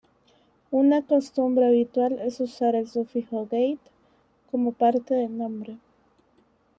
Una costumbre habitual es usar el sufijo ""-gate"" como parte del nombre.